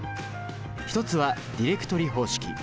一つはディレクトリ方式。